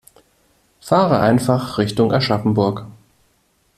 Fahre einfach Richtung Aschaffenburg